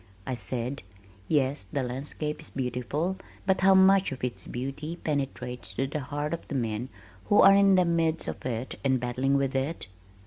I said, "Yes, the landscape is beautiful, but how much of its beauty penetrates to the heart of the men who are in the midst of it and battling with it?